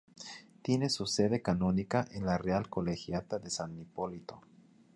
Tiene su sede canónica en la Real Colegiata de San Hipólito.